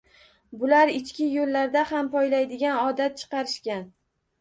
Bular ichki yo`llarda ham poylaydigan odat chiqarishgan